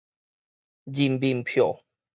人民票